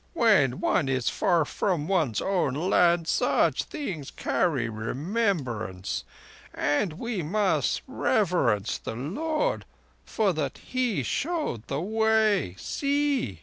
"When one is far from one's own land such things carry remembrance; and we must reverence the Lord for that He showed the Way. See!"